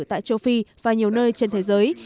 tại châu phi và nhiều nơi trên thế giới